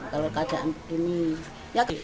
kalau keadaan begini